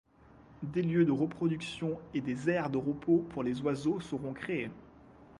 Des lieux de reproduction et des aires de repos pour les oiseaux seront créés.